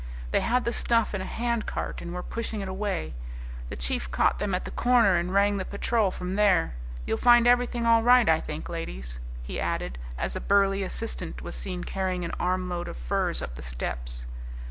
"They had the stuff in a hand cart and were pushing it away. The chief caught them at the corner, and rang the patrol from there. You'll find everything all right, I think, ladies," he added, as a burly assistant was seen carrying an armload of furs up the steps.